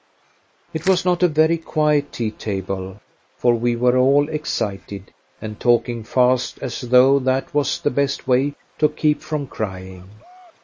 It was not a very quiet tea table, for we were all excited and talking fast, as though that was the best way to keep from crying.